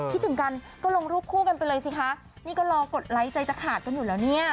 คิดถึงกันก็ลงรูปคู่กันไปเลยสิคะนี่ก็รอกดไลค์ใจจะขาดกันอยู่แล้วเนี่ย